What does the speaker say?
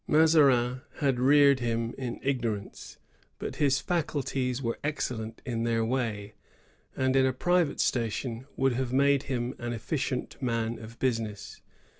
Mazarin had reared him in ignorance; but his faculties were excel lent in their way, and in a private station would have made him an efficient man of business.